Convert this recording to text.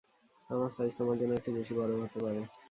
আমার সাইজ তোমার জন্য একটু বেশি বড় হতে পারে।